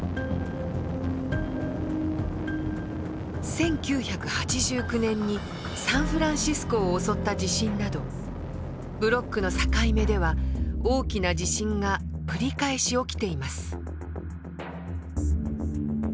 １９８９年にサンフランシスコを襲った地震などブロックの境目では大きな地震が繰り返し起きています。